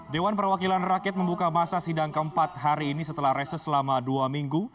dewan perwakilan rakyat membuka masa sidang keempat hari ini setelah reses selama dua minggu